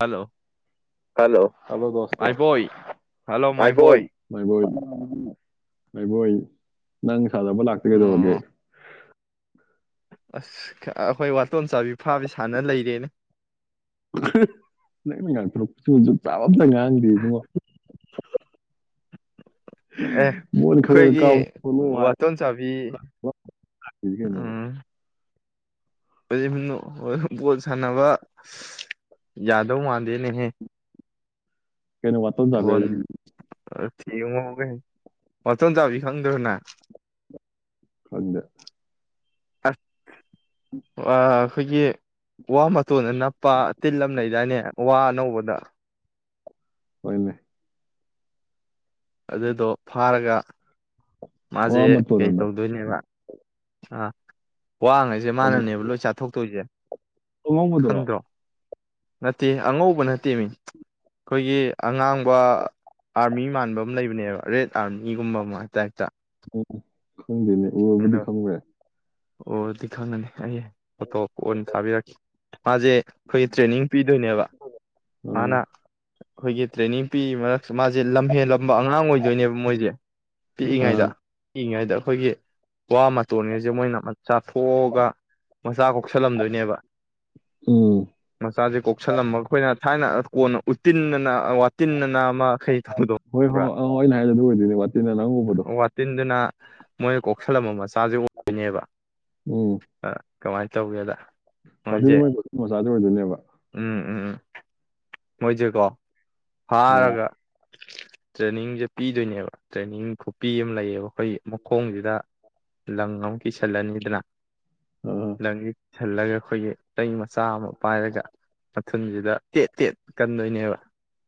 Hello hello hello ꯗꯣꯁꯣ my boy hello ꯃꯥꯏ ꯃꯥꯏꯕꯣꯣꯏ ꯕꯣꯏ ꯃꯥꯏ ꯑꯩꯕꯣꯏ ꯅꯪ ꯁꯥꯟꯅꯕ ꯂꯥꯛꯇꯒꯩꯗꯧꯔꯒꯦ ꯑꯣ ꯑꯁ ꯑꯩꯈꯣꯏ ꯋꯥꯇꯣꯟꯝ ꯆꯥꯕꯤ ꯐꯥꯕꯤ ꯁꯥꯟꯅ ꯂꯩꯔꯦꯅꯦ ꯅꯪꯩꯅ ꯉꯥꯡꯊꯣꯔꯛꯄꯁꯤꯡꯕꯨꯁꯨ ꯆꯥꯕꯝꯇ ꯉꯥꯡꯗꯦ ꯏꯕꯨꯡꯉꯣ ꯑꯦ ꯃꯣꯏꯅ ꯈꯔꯒ ꯑꯩꯈꯣꯏꯒꯤ ꯀꯥꯎ ꯈꯣꯠꯅ ꯋꯥꯇꯣꯟ ꯆꯥꯕꯤ ꯍꯥꯏ ꯀꯩꯅꯣ ꯎꯝ ꯕꯣꯜ ꯁꯥꯟꯅꯕ ꯌꯥꯗꯧ ꯃꯥꯟꯗꯦꯅꯦꯍꯦ ꯀꯩꯅꯣ ꯋꯥ ꯇꯗꯕꯦ ꯌꯦꯡꯉꯣꯒ ꯃꯇꯝ ꯆꯥꯕꯤ ꯈꯪꯗ꯭ꯔꯅ ꯐꯗ ꯑꯁ ꯑ ꯑꯩꯈꯣꯏꯒꯤ ꯋꯥ ꯇꯣꯟꯅ ꯅꯞꯄ ꯇꯤꯜꯂꯝ ꯂꯩꯗꯥꯏꯅꯦ ꯋꯥ ꯑꯅꯧꯕꯗ ꯍꯣꯏꯃꯦ ꯑꯗꯨꯗꯣ ꯐꯥꯔꯒ ꯃꯥꯁꯦ ꯋꯥ ꯀꯩ ꯃꯇꯣꯟꯅ ꯇꯧꯗꯣꯏꯅꯦꯕ ꯑꯥ ꯋꯥꯋꯥꯡꯉꯩꯁꯦ ꯃꯥꯅꯅꯦꯕ ꯂꯣꯏ ꯆꯥꯊꯣꯛꯇꯣꯏꯁꯦ ꯇꯉꯡꯕꯗ꯭ꯔꯣ ꯈꯪꯗ꯭ꯔꯣ ꯅꯠꯇꯦ ꯑꯉꯧꯕ ꯅꯠꯇꯦ ꯃꯤ ꯑꯩꯈꯣꯏꯒꯤ ꯑꯉꯥꯡꯕ ꯑꯥꯔꯃꯤ ꯃꯥꯟꯕ ꯑꯃ ꯂꯩꯕꯅꯦꯕ ꯔꯦꯠ ꯑꯥꯔꯃꯤꯒꯨꯝꯕ ꯑꯃ ꯇꯥꯏꯞꯇ ꯑꯣ ꯈꯪꯗꯦꯅꯦ ꯎꯔꯕꯨꯗꯤ ꯑꯗꯣ ꯈꯪꯈ꯭ꯔꯦ ꯑꯣꯗꯤ ꯈꯪꯅꯦ ꯑꯩ ꯐꯣꯇꯣ ꯄ ꯑꯣꯏꯅ ꯊꯥꯕꯤꯔꯛꯈꯤ ꯃꯥꯁꯦ ꯑꯩꯈꯣꯏ ꯇ꯭ꯔꯦꯅꯤꯡ ꯄꯤꯗꯣꯏꯅꯦꯕ ꯑꯥ ꯃꯥꯅ ꯑꯩꯈꯣꯏꯒꯤ ꯇ꯭ꯔꯦꯅꯤꯡ ꯄꯤ ꯃꯔꯛꯁꯨ ꯃꯥꯁꯦ ꯂꯝꯍꯦꯟꯂ ꯎꯝꯕ ꯑꯉꯥꯡ ꯑꯣꯏꯗꯣꯏꯅꯦꯕ ꯃꯣꯏꯁꯦ, ꯄꯤꯛꯏꯉꯩꯗ ꯑꯥ ꯄꯤꯛꯏꯉꯩꯗ ꯈꯣꯏꯒꯤ ꯋꯥ ꯃꯇꯣꯟ ꯒꯩꯁꯦ ꯃꯣꯏꯅ ꯆꯥꯊꯣꯛꯑꯒ ꯃꯆꯥ ꯀꯣꯛꯁꯜꯂꯝꯗꯣꯏꯅꯦꯕ ꯎꯝ ꯃꯆꯥꯁꯦ ꯀꯣꯛꯁꯜꯂꯝꯃꯒ ꯈꯣꯏꯅ ꯊꯥꯏꯅ ꯀꯣꯟꯅ ꯎꯠꯇꯤꯟꯗꯅ ꯋꯥꯇꯤꯟꯗꯅ ꯍꯣꯏ ꯍꯣꯏ ꯑ ꯍꯣꯏ ꯑꯩꯅ ꯍꯥꯏꯗꯤ ꯑꯣꯏꯗꯨꯣꯏꯅꯦ ꯋꯥꯇꯤꯟꯅꯦ ꯅꯪꯎꯕꯗꯣ ꯃꯣꯏ ꯀꯣ ꯀꯧꯁꯜꯂꯝꯕ ꯃꯆꯥꯁꯦ ꯑꯣꯏꯗꯣꯏ ꯅꯦꯕ ꯎꯝ ꯀꯃꯥꯏ ꯇꯧꯒꯦꯗ ꯄꯗꯨꯗꯤ ꯃꯣꯏꯁꯦ ꯃꯣꯏ ꯃꯆꯥꯗꯨ ꯑꯣꯏꯗꯣꯏꯅꯦꯕ [unintelligible] ꯃꯣꯏꯖꯦꯀꯣ ꯑꯥ ꯐꯥꯔꯒ ꯇ꯭ꯔꯦꯅꯤꯡꯁꯦ ꯄꯤꯗꯣꯏꯅꯦꯕ ꯇ꯭ꯔꯦꯅꯤꯡ ꯈꯨꯄꯤ ꯑꯃ ꯂꯩꯌꯦꯕ ꯈꯣꯏꯒꯤ, ꯃꯈꯣꯡꯁꯤꯗ ꯂꯪ ꯑꯃ ꯀꯤꯁꯟꯂꯅꯤꯗꯅꯥ ꯑꯥ ꯂꯪꯖꯤ ꯁꯤꯜꯂꯒ ꯑꯩꯈꯣꯏꯒꯤ ꯆꯩ ꯃꯆꯥ ꯑꯃ ꯄꯥꯏꯔꯒ ꯃꯊꯨꯟꯁꯤꯗ ꯇꯦꯠ ꯇꯦꯠ ꯀꯟꯗꯣꯏꯅꯦꯕ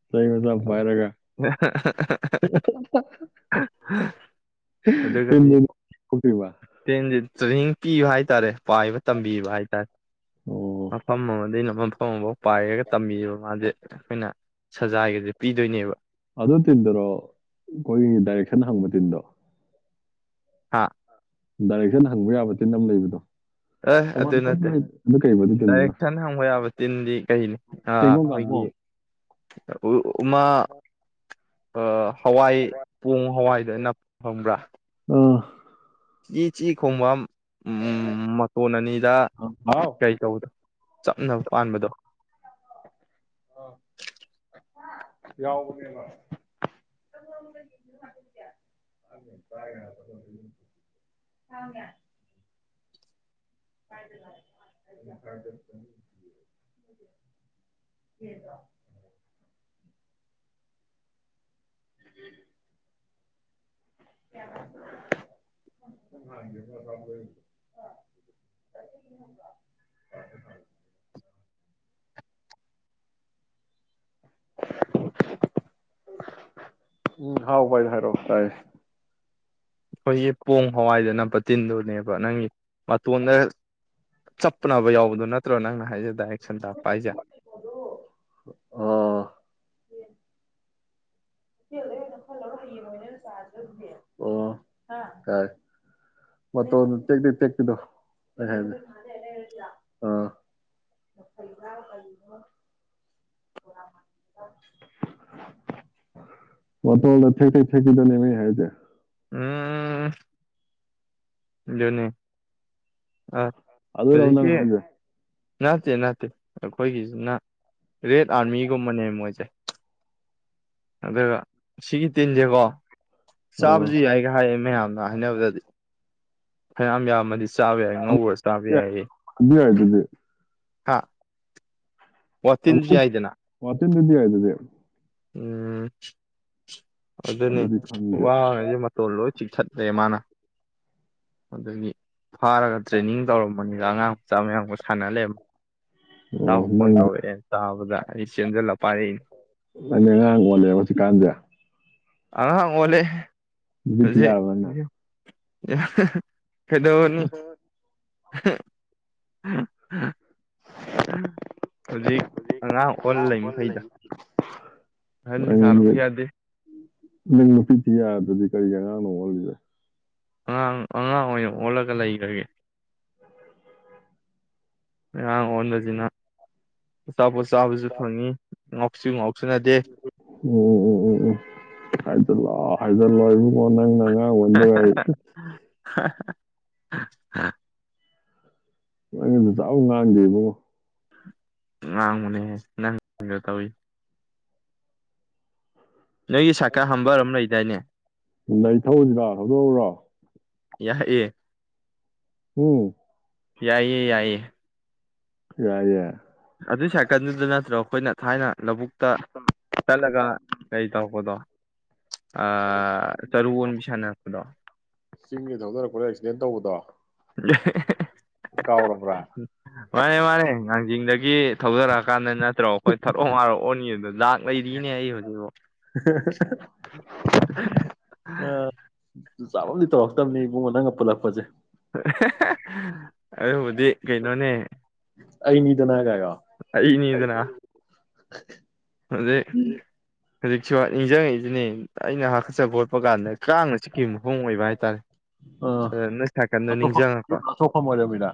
ꯆꯩ ꯃꯆꯥ ꯑꯃ ꯄꯥꯏꯔꯒ ꯑꯗꯨꯒꯗꯤ [unintelligible] ꯐꯨꯗꯣꯏꯕ? ꯇ꯭ꯔꯦꯟꯁꯦ ꯇ꯭ꯔꯦꯅꯤꯡ ꯄꯤꯕ ꯍꯥꯏꯇꯥꯔꯦ ꯄꯥꯏꯕ ꯇꯝꯕꯤꯕ ꯍꯥꯏꯇꯥꯔꯦ ꯑꯣ ꯃꯐꯝ ꯑꯃꯗꯩꯅ ꯃꯨꯝ ꯃꯐꯝ ꯑꯃꯐꯥꯎ ꯄꯥꯏꯔꯒ ꯇꯝꯕꯤꯕ ꯃꯥꯁꯦ ꯑꯈꯣꯏꯅ ꯁꯖꯥꯏꯒꯁꯦ ꯄꯤꯗꯣꯏꯅꯦꯕ ꯑꯗꯣ ꯇꯤꯟꯗꯔꯣ ꯑꯈꯣꯏꯒꯤ ꯗꯥꯏꯔꯦꯛꯁꯟ ꯍꯪꯕ ꯇꯤꯟꯗꯣ? ꯍꯥꯥ ꯗꯥꯏꯔꯦꯛꯁꯟ ꯍꯪꯕ ꯌꯥꯕ ꯇꯤꯟ ꯑꯝ ꯂꯩꯕꯗꯣ ꯑꯦ ꯑꯗꯨ ꯊꯧꯕꯥꯜ ꯀꯝ ꯅꯠꯇꯦ ꯂꯩ ꯑꯗꯨ ꯀꯩꯕ ꯑꯗꯨ ꯇꯤꯝꯗꯨꯅ ꯗꯥꯏꯔꯦꯛꯁꯟ ꯍꯪꯕ ꯌꯥꯕ ꯇꯤꯟꯗꯤ ꯀꯩꯅꯤ ꯑꯥ ꯆꯦꯡꯒꯣꯡ ꯈꯣꯏꯒꯤ ꯀꯥꯡꯄꯣꯡ ꯎꯝꯃꯥ ꯑꯥ ꯍꯋꯥꯏ ꯄꯣꯡ ꯍꯋꯥꯏꯗ ꯅꯞ ꯐꯪꯕ꯭ꯔꯥ ꯑꯥ ꯏꯤ ꯆꯤ ꯈꯣꯡꯕꯝ ꯎꯝ ꯃꯇꯣꯟ ꯑꯅꯤꯗ ꯍꯥꯎ ꯀꯩ ꯇꯧꯕꯗꯣ ꯆꯞꯅꯕ ꯄꯥꯟꯕꯗꯣ? ꯑꯥ [unintelligible] ꯌꯥꯎꯕꯅꯦꯕ [unintelligible] [unintelligible] [unintelligible] ꯎꯝ ꯍꯥꯎ ꯕꯥꯏ ꯍꯥꯏꯔꯣ ꯇꯥꯏ ꯑꯩꯈꯣꯏꯒꯤ ꯄꯣꯡ ꯍꯋꯥꯏꯗ ꯅꯞꯄ ꯇꯤꯟꯗꯨꯅꯦꯕ ꯅꯪꯒꯤ ꯃꯇꯣꯟꯗ ꯆꯞꯄꯅꯕ ꯌꯥꯎꯕꯗꯣ ꯅꯠꯇ꯭ꯔꯣ ꯅꯪꯅ ꯍꯥꯏꯖꯦ ꯗꯥꯏꯔꯦꯛ ꯁꯟꯗ ꯄꯥꯏꯖꯦ ꯑꯥ ꯑꯣ ꯀ ꯃ ꯇ ꯇꯀꯗꯨ ꯑ ꯃꯇꯣꯟꯗ ꯇꯦꯛ ꯇꯦꯛ ꯇꯦꯛꯄꯤꯗꯨꯅꯦꯃꯦ ꯑꯩꯅ ꯍꯥꯏꯖꯦ ꯎꯝ ꯑꯗꯨꯅꯤ ꯑ ꯑꯗꯨꯔꯕ ꯅꯪ ꯍꯧꯖꯤꯛꯀꯤ ꯍꯥꯏꯖꯦ ꯅꯠꯇꯦ ꯅꯠꯇꯦ ꯑꯩꯈꯣꯏꯒꯤꯁꯤꯅ ꯔꯦꯠ ꯑꯥꯔꯃꯤꯒꯨꯝꯕꯅꯦ ꯃꯣꯏꯁꯦ ꯑꯗꯨꯒ ꯁꯤꯒꯤ ꯇꯤꯟꯁꯦꯀꯣ ꯑꯥ ꯆꯥꯕꯁꯨ ꯌꯥꯏꯒ ꯍꯥꯏꯌꯦ ꯃꯌꯥꯝꯅ ꯍꯥꯏꯅꯕꯗꯗꯤ ꯐꯩꯌꯥꯝ ꯌꯥꯝꯕꯅꯤ ꯆꯥꯕ ꯌꯥꯏ ꯉꯧꯔ ꯆꯥꯕ ꯌꯥꯏꯌꯦ ꯁꯤꯗꯤ ꯍꯥꯥ ꯋꯥꯇꯤꯟꯖꯦ ꯌꯥꯏꯗꯅ ꯆꯤꯟꯗꯗꯤ ꯌꯥꯏ ꯑꯗꯨꯗꯤ ꯎꯝ ꯑꯗꯨꯅꯤ ꯑꯗꯨꯗꯤ ꯈꯪꯗꯦ ꯋꯥ ꯉꯩꯁꯦ ꯃꯇꯣꯟ ꯂꯣꯏ ꯆꯤꯛꯊꯠꯂꯦ ꯃꯥꯅ ꯑꯗꯨꯗꯒꯤ ꯐꯥꯔꯒ ꯇ꯭ꯔꯦꯅꯤꯡ ꯇꯧꯔꯝꯕꯅꯤꯅ ꯑꯉꯥꯡ ꯃꯆꯥ ꯃꯌꯥꯝꯒ ꯁꯥꯟꯅꯍꯜ ꯂꯩ ꯑꯣ ꯅꯪ ꯇꯥꯎꯄꯣꯟꯕꯧꯋꯦ ꯇ ꯍꯥꯎꯕꯗ ꯑꯩ ꯆꯟꯖꯂ ꯄꯅꯤ ꯑ ꯉ ꯋꯥꯣꯂ ꯄ ꯀꯥꯥꯟꯗꯌꯥ ꯑ ꯑꯣꯂꯦ ꯊ ꯌꯥꯔꯕꯔꯅ ꯌꯥ ꯐꯩꯗꯑꯣꯅꯤ ꯑ ꯍꯧꯖꯤꯛ ꯑꯉꯥꯡ ꯑꯣꯟ ꯂꯩ ꯃꯈꯩꯗ ꯍꯟ ꯁꯥꯔꯨ ꯌꯥꯗꯦ ꯃ ꯄꯤꯊ ꯌꯥ ꯑꯗꯨꯗꯤ ꯀꯔꯤ ꯒꯅ ꯑꯉꯥꯡ ꯑꯉꯥꯡ ꯑꯣꯏꯅ ꯑꯣꯜꯂꯒ ꯂꯩꯈ꯭ꯔꯒꯦ ꯎ ꯎ ꯉꯔꯥꯡ ꯑꯣꯟꯂꯁꯤꯅ ꯑꯆꯥꯄꯣꯠ ꯆꯥꯕꯁꯨ ꯐꯪꯉꯤ ꯉꯥꯎꯁꯨ ꯉꯥꯎꯁꯨꯅꯗꯦ ꯎꯝ ꯎꯝ ꯍꯥꯏꯗ ꯂꯣꯏꯕꯀꯣ ꯅꯪ ꯅꯪ ꯑ ꯑꯣꯟꯕꯉ ꯍꯥ ꯩꯅꯗꯨ ꯇꯥꯎ ꯉꯥꯟꯗꯦꯕꯉꯣ ꯉꯥꯡꯕꯨꯅꯦꯍꯦ ꯅꯪꯗ ꯇꯧꯏꯤ ꯅꯣꯏꯒꯤ ꯁꯀꯥ ꯍꯥꯝꯕꯔ ꯑꯃ ꯂꯩꯗꯥꯏꯅꯦ ꯂꯩ ꯊꯁꯤꯔ ꯍꯧꯗꯣꯛꯎꯔꯣ ꯌꯥ ꯑꯦ ꯎꯝ ꯌꯥꯏꯌꯦ ꯌꯥꯏꯌꯦ ꯌꯥ ꯌꯥ ꯑꯗꯨꯏ ꯁꯥꯏꯀꯜꯗꯨꯗ ꯅꯠꯇ꯭ꯔꯣ ꯑꯩꯈꯣꯏꯅ ꯊꯥꯏꯅ ꯂꯧꯕꯨꯛꯇ ꯆꯠꯂꯒ ꯀꯔꯤ ꯇꯧꯔꯛꯄꯗꯣ ꯆꯔꯨ ꯑꯣꯟꯕꯤ ꯁꯥꯟꯅꯔꯛꯄꯗꯣ ꯆꯤꯡꯒꯤ ꯊꯧꯗꯔꯛꯄ ꯑꯦꯛꯁꯤꯗꯦꯟ ꯇꯧꯕꯗꯣ [unintelligible] ꯀꯥꯎꯔꯕ꯭ꯔꯥ ꯃꯥꯅꯦꯦ ꯃꯥꯅꯦꯦ ꯉꯥꯡꯖꯗ ꯒꯤ ꯊꯧꯖꯔꯛꯑꯀꯥꯟꯗ ꯅꯠꯇ꯭ꯔꯣ ꯑꯩꯈꯣꯏ ꯊꯔꯛ ꯉꯔꯛꯑꯣꯅꯤ ꯑꯗꯨꯗꯣ ꯂꯥꯛ ꯂꯩꯔꯤꯅꯦ ꯑꯩ ꯍꯧꯖꯤꯛꯐꯥꯎ ꯆꯥꯔꯝꯗꯤ ꯇꯧꯔꯛꯇꯕꯅꯤ ꯏꯨꯡꯣ ꯅꯪꯒ ꯄꯨꯜꯂꯛꯄꯁꯦ ꯑꯗ ꯑꯗꯨ ꯀꯩꯅꯣꯅꯦ ꯑꯩ ꯃꯤꯗꯅ ꯍꯥꯏ ꯀꯒ ꯑꯩꯅꯤꯗꯅꯥ [unintelligible] ꯑꯗꯨꯗꯦ ꯍꯧꯖꯤꯛꯁꯨ ꯅꯤꯡꯁꯤꯡꯉꯛꯏꯁꯤꯅꯦ ꯑꯩꯅ ꯍꯥꯀꯠꯆ ꯈꯣꯠꯄ ꯀꯥꯟꯗ ꯀꯥꯡꯥꯡꯅ ꯆꯤꯛꯈꯤꯕ ꯃꯣꯡ ꯑꯣꯏꯕ ꯍꯥꯏꯇꯥꯔꯦ ꯑꯥ ꯑꯗꯨ ꯅꯣꯏ ꯅꯥꯀꯟꯗꯣ ꯑꯇꯣꯞꯄ ꯅꯤꯡꯁꯤꯡꯉꯛꯄ ꯑꯁꯣꯛꯐꯝ ꯑꯣꯏꯔꯝꯃꯤꯔ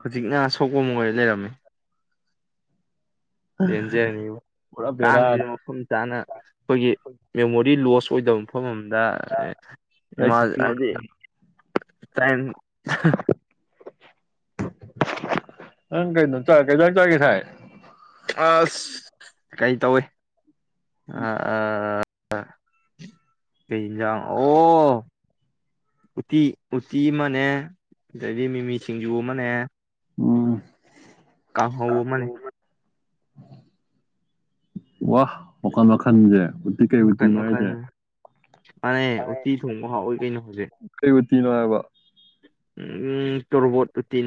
ꯍꯧꯖꯤꯛꯅ ꯁꯣꯛꯄ ꯃꯣꯏ ꯂꯩꯔꯝꯃꯤ ꯌꯦꯟꯖꯅꯤ ꯄꯨꯔꯥ ꯀꯥꯡꯁꯤꯗ ꯕꯦꯔꯥꯅꯤ ꯃꯐꯝ ꯆꯥꯅ ꯑꯩꯈꯣꯏꯒꯤ ꯃꯦꯃꯣꯔꯤ ꯂꯣꯁ ꯑꯣꯏꯗꯕ ꯃꯐꯝ ꯑꯃ ꯏꯃꯥ ꯍꯥꯏꯗꯤ ꯅꯪ ꯇꯥꯏꯝ ꯑꯪ ꯀꯩꯅ ꯆ ꯀꯩ ꯆ ꯆ ꯀ ꯊꯥꯏ ꯑꯁ ꯀꯔꯤ ꯇꯧꯏ ꯑ ꯑ ꯀꯩ ꯌꯦꯟꯁꯥꯡ ꯑꯣ ꯎꯇꯤ ꯎꯇꯤ ꯑꯃꯅꯦ ꯑꯗꯩꯗꯤ ꯃꯤꯃꯤ ꯁꯤꯡꯖꯨ ꯑꯃꯅꯦ ꯑꯣ ꯀꯥ ꯍꯣ ꯃꯅꯦ ꯋꯥ ꯋꯥꯈꯜ ꯃꯈꯜꯁꯦ ꯎꯇꯤ ꯀꯩ ꯃꯈꯟ ꯎꯇꯤꯅꯣ ꯃꯈꯜ ꯍꯥꯏꯁꯦ ꯃꯥꯅꯦ ꯎꯠꯇꯤ ꯊꯣꯡꯕ ꯍꯥꯎꯑꯣꯏ ꯀꯩꯅꯣ ꯍꯧꯖꯤꯛ ꯇꯤꯅꯣ ꯍꯥꯏꯕ ꯎꯝꯝ ꯇꯣꯔꯕꯣꯠ ꯎꯇꯤꯟ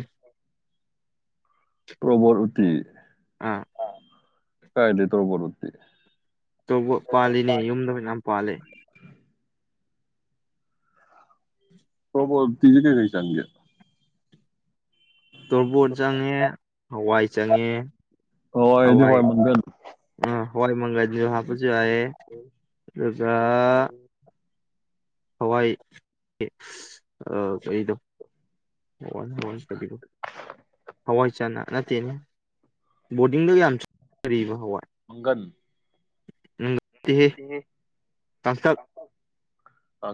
ꯄꯔꯕꯔꯇ ꯑꯥ ꯀꯥꯏ ꯂꯩꯇꯔꯕꯠꯇꯗꯤ ꯇꯧꯕ ꯄꯥꯜꯂꯤꯅꯦ ꯌꯨꯝꯗ ꯌꯥꯝ ꯄꯥꯜꯜꯂꯤꯦ ꯣ ꯇꯤꯖꯤꯦ ꯀꯩ ꯅ ꯆꯥꯡꯒꯦ ꯇꯣꯔꯕꯣꯠ ꯆꯪꯉꯦ ꯍꯋꯥꯏ ꯆꯪꯉꯦ ꯍꯋꯥꯏꯗꯤ ꯍꯋꯥꯏ ꯃꯪꯒꯟ ꯑꯥ ꯍꯏ ꯃꯪꯥꯏ ꯍꯥꯄꯁꯨ ꯍꯥꯏ ꯑꯗꯨꯒ ꯍꯋꯥꯏ ꯀꯔꯤꯗꯣ ꯍꯋꯥ ꯍꯋꯥ ꯀꯔꯤꯗꯣ ꯍꯋꯥꯏ ꯆꯅ ꯅꯠꯇꯦꯅꯦ ꯕꯣꯔꯗꯤꯡꯗ ꯌꯥꯝꯔꯤꯕ ꯍꯋꯥꯏ ꯃꯪꯒꯟ ꯎ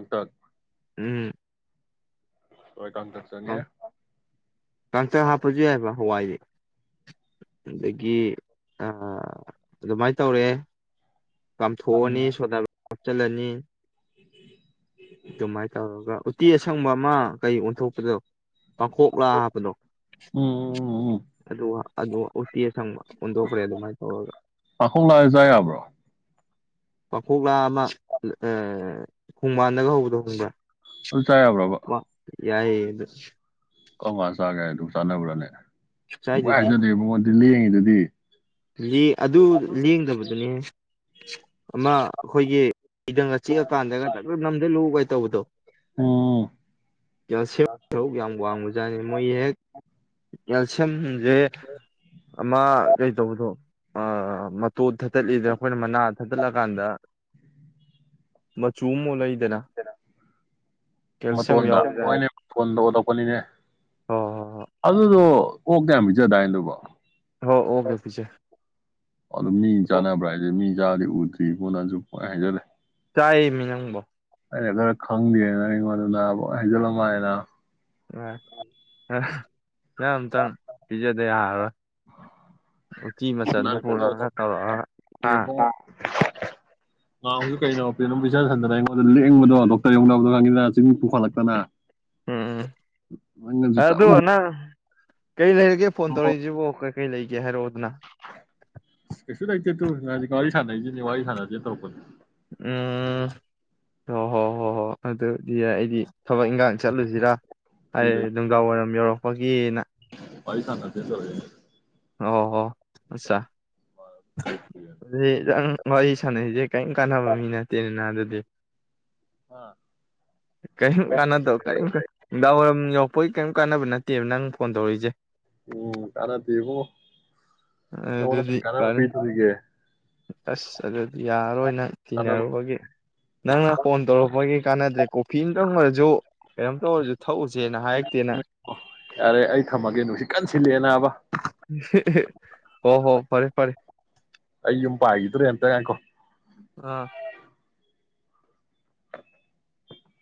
ꯊ ꯎꯝ ꯍꯋꯥꯏ ꯀꯥꯡꯇꯛ ꯀ ꯆꯪꯉꯦ ꯀ ꯆ ꯍꯥꯄꯁꯨ ꯍꯥꯏꯕ ꯍꯋꯥꯏ ꯑꯗꯒꯤ ꯑ ꯑꯗꯨꯃꯥꯏꯅ ꯇꯧꯔꯦ ꯀꯝ ꯊꯑꯣꯣ ꯅ ꯎꯝ ꯁꯣꯗ ꯍꯥꯞꯆꯤꯜꯂꯅꯤ ꯏ ꯑꯗꯨꯃꯥꯏꯅ ꯇꯧꯔꯒ ꯎꯇꯤ ꯑꯁꯪꯕ ꯑꯃ ꯀꯩ ꯑꯣꯟꯊꯣꯛꯄꯗꯣ ꯄꯥꯡꯈꯣꯛꯂꯥ ꯍꯥꯞꯄꯗꯣ ꯎꯝ ꯎꯝ ꯎꯝ ꯑꯗꯨꯒ ꯑꯗꯨ ꯎꯇꯤ ꯑꯁꯪꯕ ꯑꯣꯟꯗꯣꯛꯈ꯭ꯔꯦ ꯑꯗꯨꯃꯥꯏꯅ ꯇꯧꯔꯒ ꯄꯥꯡꯈꯣꯛ ꯂꯥꯛꯑ ꯆꯥ ꯌꯥꯕ꯭ꯔꯣ ꯄꯥꯡꯈꯣꯛꯂꯥ ꯑꯃ ꯍꯗꯒ ꯍꯧꯕꯗꯣ ꯍꯪꯕ꯭ꯔꯥ ꯑꯗꯨ ꯆꯥ ꯌꯥꯕ꯭ꯔꯕ ꯌꯥꯏ ꯆꯥꯟꯅ ꯎꯔꯅꯦ ꯑꯃꯨ ꯁ꯭ꯋꯥꯏꯗꯗꯤ ꯍꯥꯏꯖꯗꯦ ꯃꯉꯣꯟꯗꯤ ꯂꯦꯡꯉꯤꯗꯨꯗꯤ ꯑꯗꯨ ꯂꯦꯡꯗꯕꯗꯨꯅꯤꯍ ꯑꯃ ꯑꯩꯈꯣꯏꯒꯤ ꯀꯗꯪꯒ ꯆꯤꯛꯑꯀꯥꯟꯗꯒ ꯅꯝꯗ ꯂꯨ ꯇꯧꯕꯗꯣ ꯎꯝ ꯀꯦꯜꯁꯤꯌꯝ ꯁꯔꯨꯛ ꯌꯥꯝ ꯋꯥꯡꯕꯖꯥꯠꯅꯤ ꯃꯣꯏ ꯍꯦꯛ ꯀꯦꯜꯁꯤꯌꯝꯝ ꯑ ꯀ ꯑꯗꯣ ꯃꯇꯣꯠ ꯊꯥꯠꯇꯠꯂꯤꯗꯅ ꯑꯩꯈꯣꯏꯅ ꯃꯅꯥ ꯊꯥꯠꯇꯠꯂꯀꯥꯟꯗ ꯃꯆꯨ ꯃꯨꯛ ꯂꯩ ꯀꯦꯜꯁꯤꯌꯝ ꯃꯇꯣꯟꯗ ꯌꯥꯎꯕꯖꯥꯠꯅꯤ ꯍꯣꯏꯅꯦ ꯃꯇꯣꯟꯗ ꯑꯣꯜꯂꯛꯄꯅꯤꯅꯦ ꯍꯣꯏ ꯑꯗꯨꯗꯣ ꯑꯣꯛ ꯀꯌꯥꯝ ꯄꯤꯖꯗꯥꯏꯗꯨꯕ ꯍ ꯑꯣꯀꯦ ꯄꯤꯆꯦ ꯍꯜꯂꯣ ꯃꯤ ꯆꯅꯕꯕ꯭ꯔ ꯍꯥꯏꯦ ꯃꯤ ꯌꯥꯦ ꯇꯕꯣꯅꯁꯨꯄ ꯍꯥꯏꯖꯔꯦ ꯆꯥꯏ ꯃꯤ ꯅꯪꯕꯣ ꯑꯩꯅ ꯈꯔ ꯈꯪꯗꯦꯅ ꯑꯩꯉꯣꯟꯗꯅꯕ ꯍꯩꯖꯜꯂꯝꯃ ꯍꯥꯏꯅ ꯑ ꯏꯪ ꯑꯝꯇꯪ ꯄꯤꯖꯗ ꯌꯥꯔꯣꯏ ꯎꯇꯤ ꯃꯆꯜꯗꯨ ꯄꯨꯔꯛꯑꯒ ꯇꯧꯔꯛꯑꯒ ꯉ ꯍꯧꯖꯤꯛ ꯀꯩꯅꯣ ꯄꯦ ꯑꯗꯨꯝ ꯄꯩꯖꯟ ꯍꯟꯗꯅ ꯑꯩꯉꯣꯟꯗ ꯂꯦꯡꯕꯗꯣ ꯗꯣꯛꯇꯔ ꯌꯧꯗꯅꯕꯗꯣ ꯈꯪꯉꯗꯤꯡ ꯄꯨꯈꯠꯂꯛꯇꯅ ꯎꯝ ꯎꯝ ꯅꯪꯅꯁꯨ ꯀꯔꯤ ꯂꯩꯔꯒꯦ ꯐꯣꯟ ꯇꯧꯔꯛꯏꯁꯤꯕꯣ ꯀꯩ ꯀꯩ ꯂꯩꯒꯦ ꯌꯥꯦꯍꯔꯣ ꯀꯩꯁꯨ ꯂꯥꯛꯇ ꯇꯨ ꯀ ꯍꯅꯅꯤꯉ ꯋꯥꯔꯤ ꯍꯥꯏꯥꯟꯅ ꯆꯦ ꯇꯧꯛꯄꯅ ꯎꯝ ꯍꯣꯏ ꯍꯣꯏ ꯍꯣꯏ ꯍꯣꯏ ꯑꯗꯨꯗꯤ ꯑꯩꯗꯤ ꯊꯕꯛ ꯏꯟꯈꯥꯡ ꯆꯠꯂꯨꯁꯤꯔꯥ ꯍꯥꯏ ꯑꯗꯨꯗ ꯅꯨꯡꯒꯥꯎ ꯑꯣꯏꯔꯝ ꯌꯧꯔꯣ ꯄꯒꯤꯅ ꯑꯩꯥꯏ ꯁꯥꯟꯅꯁꯦ ꯆ ꯑꯣ ꯍ ꯑꯁꯥ ꯑꯗꯨꯗ ꯍ ꯏ ꯁꯅꯅꯦꯖꯦ ꯀꯩꯝ ꯀꯥꯟꯅꯕ ꯃꯤ ꯅꯠꯇꯦꯅꯅ ꯑꯗꯨ ꯑꯗꯨ ꯍꯥ ꯀꯔꯤꯝ ꯀꯥꯟꯅꯗꯕ ꯀꯔꯤ ꯅꯨꯡꯗꯥꯡ ꯋꯥꯏꯔꯝ ꯌꯧꯄꯒꯤ ꯀꯔꯤꯝ ꯀꯥꯟꯅꯕ ꯅꯠꯇꯦ ꯅꯠꯇꯦꯕ ꯅꯪ ꯐꯣꯟ ꯇꯧꯔꯛꯏꯁꯦ ꯎꯝ ꯀꯔꯥꯗꯤꯕꯣ ꯅꯉꯣꯟꯗ ꯑꯗꯨꯗꯤ ꯀꯔꯤ ꯀꯥꯟꯅꯕ ꯄꯤꯗꯣꯔꯤꯒꯦ ꯑꯁ ꯑꯗꯨ ꯌꯥꯔꯔꯣꯏ ꯅꯪ ꯀꯥꯟꯅꯕ ꯇꯤꯟꯅꯔꯨꯕꯒꯤ ꯅꯪꯅ ꯐꯣꯟ ꯇꯧꯔꯛꯄꯒꯤ ꯀꯥꯟꯅꯗ꯭ꯔꯦ ꯀꯣꯐꯤ ꯑꯃ ꯇꯪꯈ꯭ꯔꯁꯨ ꯀꯩꯅꯣꯝ ꯇꯧꯔꯁꯨ ꯊꯛꯎꯁꯦꯅ ꯍꯥꯏꯔꯛꯇꯦꯅ ꯌꯥꯔꯦ ꯑꯩ ꯊꯝꯃꯒꯦ ꯅꯨꯡꯁꯤꯠ ꯀꯟ ꯁꯤꯜꯂꯛꯑꯦ ꯅꯥꯕ ꯍꯣ ꯍꯣ ꯐꯔꯦ ꯐꯔꯦ ꯑꯩ ꯌꯨꯝ ꯄꯥꯏꯈꯤꯗ꯭ꯔꯦ ꯑꯝꯇ ꯉꯥꯏꯈꯣ ꯑꯥ